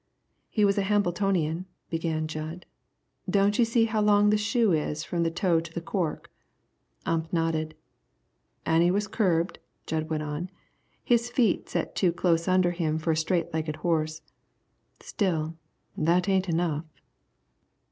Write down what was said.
"He was a Hambletonian," began Jud; "don't you see how long the shoe is from the toe to the cork?" Ump nodded. "An' he was curbed," Jud went on; "his feet set too close under him fer a straight legged horse. Still, that ain't enough."